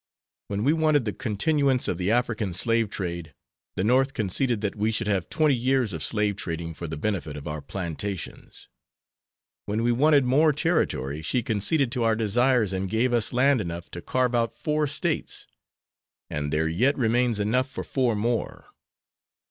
When we wanted the continuance of the African slave trade the North conceded that we should have twenty years of slave trading for the benefit of our plantations. When we wanted more territory she conceded to our desires and gave us land enough to carve out four States, and there yet remains enough for four more.